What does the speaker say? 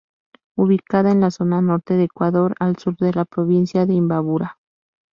Ubicada en la zona norte de Ecuador, al sur de la Provincia de Imbabura.